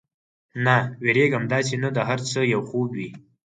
نه، وېرېږم، داسې نه دا هر څه یو خوب وي.